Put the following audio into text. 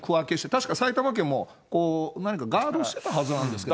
確か埼玉県も何かガードしてるはずなんですけど。